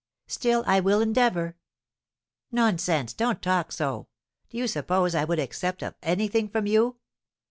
Still I will endeavour." "Nonsense; don't talk so! Do you suppose I would accept of anything from you?